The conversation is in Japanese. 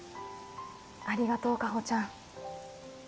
ありがとう夏帆ちゃん。